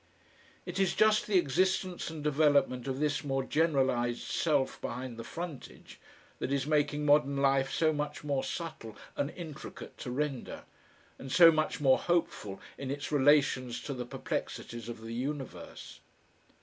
It is just the existence and development of this more generalised self behind the frontage that is making modern life so much more subtle and intricate to render, and so much more hopeful in its relations to the perplexities of the universe.